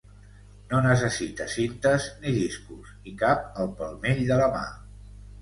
No necessita cintes ni discos i cap al palmell de la mà.